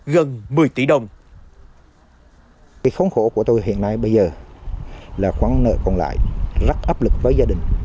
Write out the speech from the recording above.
gần một mươi tỷ đồng